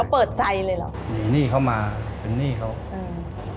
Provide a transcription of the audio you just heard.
เปิดใจเลยเหรอมีหนี้เข้ามาเป็นหนี้เขาอืม